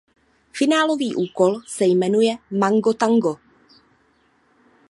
Finálový úkol se jmenuje Mango Tango.